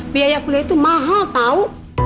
biaya kuliah itu mahal tahu